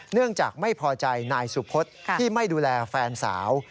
เนื่องจากไม่พอใจนายสุพศที่ไม่ดูแลแฟนสาว